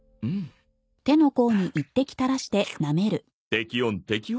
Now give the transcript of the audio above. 適温適温。